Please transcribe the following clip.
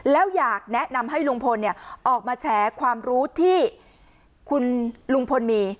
แล้วอยากแนะนำให้ลุงพลออกมาแฉความรู้ที่คุณลุงพลมี